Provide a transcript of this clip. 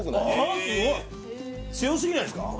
あすごい強すぎないっすか？